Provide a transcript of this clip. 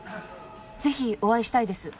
是非お会いしたいです。